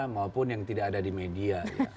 maupun yang tidak ada di media